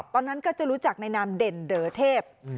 ตอนนั้นก็จะรู้จักในนามเด่นเดอเทพ